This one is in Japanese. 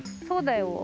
そうだよ。